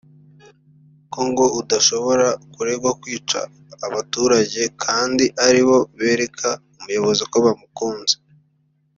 ko ngo udashobora kuregwa kwica abaturage kandi aribo bereka umuyobozi ko bamukunze